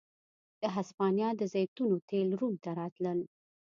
د هسپانیا د زیتونو تېل روم ته راتلل